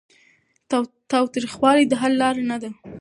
تاوتریخوالی د حل لاره نه ده.